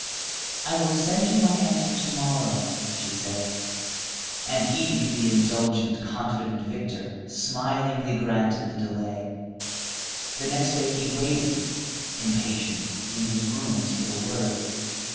"I will send you my answer to morrow," she said; and he, the indulgent, confident victor, smilingly granted the delay. The next day he waited, impatient, in his rooms for the word.